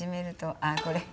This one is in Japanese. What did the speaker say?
あっこれ。